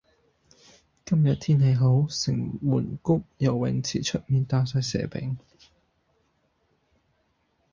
今日天氣好，城門谷游泳池出面打晒蛇餅。